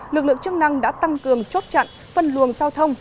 lực lượng chức năng đã tăng cường chốt chặn phân luồng giao thông